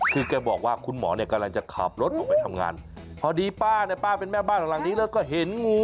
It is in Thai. คือแกบอกว่าคุณหมอเนี่ยกำลังจะขับรถออกไปทำงานพอดีป้าเนี่ยป้าเป็นแม่บ้านหลังนี้แล้วก็เห็นงู